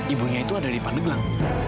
ibu dia itu ada di pandeglang